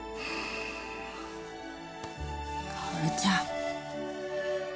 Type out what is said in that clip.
薫ちゃん。